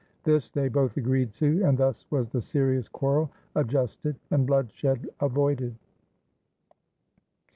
This they both agreed to, and thus was the serious quarrel adjusted and bloodshed avoided.